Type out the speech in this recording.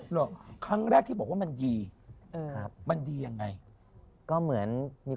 หรอกครั้งแรกที่บอกว่ามันดีเออครับมันดียังไงก็เหมือนมี